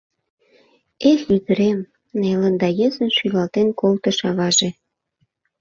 — Эх, ӱдырем! — нелын да йӧсын шӱлалтен колтыш аваже.